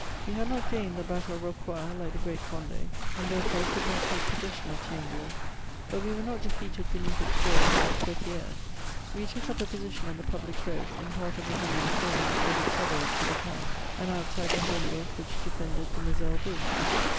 We had not gained the battle of Rocroi, like the great Conde, and there fore could not take possession of Thionville ; but we were not defeated beneath its waUs like Feuqui^res. We took up a position on the public road, in part of a village forming a sort of suburb to the town, and outside the horn work which de fended the Moselle bridge.